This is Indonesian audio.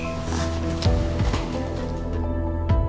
tidak ada yang bisa dikira